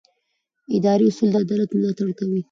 اداري اصول د عدالت ملاتړ کوي.